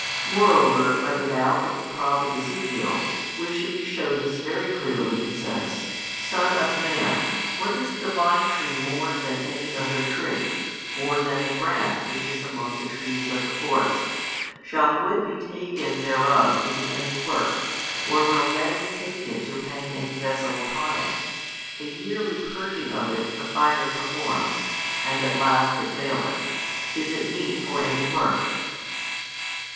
Moreover, by the mouth of the prophet Ezekiel, wishing to show this very clearly, He said: Son of man, what is the vine tree more than any other tree, or than a branch which is among the trees of the forest? Shall wood be taken thereof to do any work? Or will men take it to hang any vessel upon it? The yearly purging of it the fire performs; and at last it faileth. Is it meet for any work?